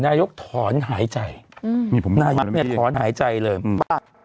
นายกถอนหายใจอืมนายกเนี่ยถอนหายใจเลยอืมอ่า